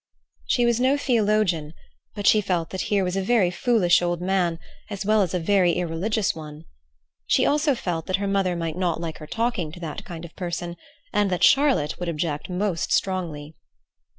She was no theologian, but she felt that here was a very foolish old man, as well as a very irreligious one. She also felt that her mother might not like her talking to that kind of person, and that Charlotte would object most strongly.